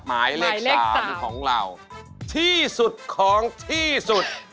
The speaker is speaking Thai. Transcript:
หมายเลข๓ของเราที่สุดของที่สุด